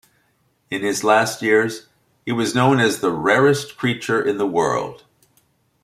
In his last years, he was known as the rarest creature in the world.